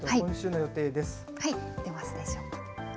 出ますでしょうか。